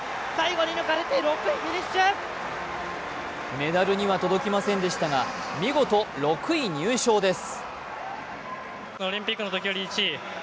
メダルには届きませんでしたが、見事６位入賞です。